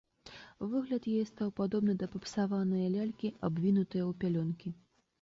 Выгляд яе стаў падобны да папсаванае лялькі, абвінутае ў пялёнкі.